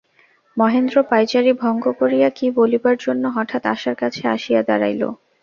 মহেন্দ্র পায়চারি ভঙ্গ করিয়া কী বলিবার জন্য হঠাৎ আশার কাছে আসিয়া দাঁড়াইল।